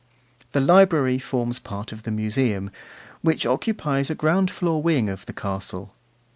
The library forms part of the Museum, which occupies a ground floor wing of the castle.